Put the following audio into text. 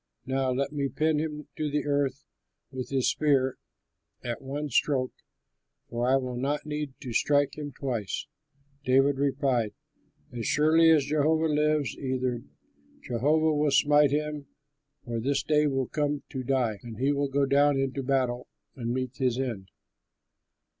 Now let me pin him to the earth with his spear at one stroke, for I will not need to strike him twice!" David replied, "As surely as Jehovah lives, either Jehovah will smite him, or his day will come to die, or he will go down into battle and meet his end.